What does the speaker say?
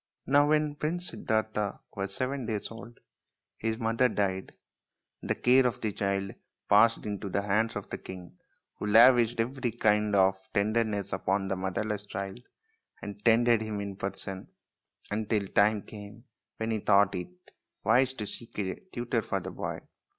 Now when Prince Siddartha was seven days old his mother died, and the care of the child passed into the hands of the king, who lavished every kind of tenderness upon the motherless child, and tended him in person until the time came when he thought it wise to seek a tutor for the boy.